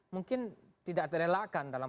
mungkin tidak terelakkan dalam